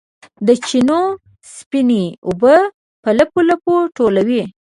د چینو سپینې اوبه په لپو، لپو ټولوي